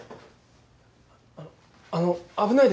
あの危ないですよ。